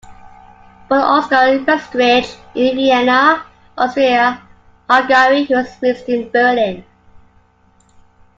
Born Oscar Westreich in Vienna, Austria-Hungary, he was raised in Berlin.